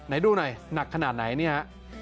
ไหนดูหน่อยหนักขนาดไหนเนี่ยฮะ